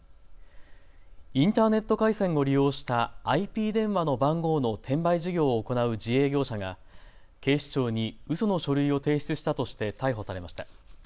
インターネット回線を利用したＩＰ電話の番号の転売事業を行う自営業者が警視庁にうその書類を提出したとして逮捕されました。